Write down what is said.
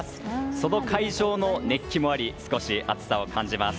その会場の熱気もあり少し暑さを感じます。